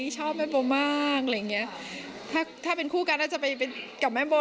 ชอบแม่โบมากถ้าเป็นคู่กันน่าจะไปกับแม่โบ